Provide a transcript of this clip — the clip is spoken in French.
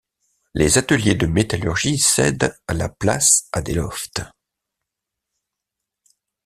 Les ateliers de métallurgie cèdent la place à des lofts.